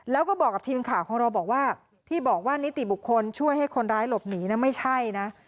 แล้วก็บอกกับทีมข่าวของเราบอกว่าที่บอกว่านิติบุคคลช่วยให้คนร้ายหลบหนีนะไม่ใช่นะ